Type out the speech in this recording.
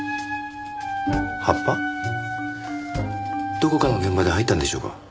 どこかの現場で入ったんでしょうか。